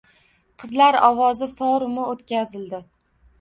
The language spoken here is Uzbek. Qizlar ovozi forumi o‘tkazildi